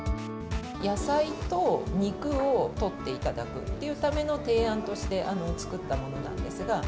野菜と肉をとっていただくというための提案として作ったものなんですが。